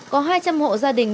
có hai trăm linh hộ gia đình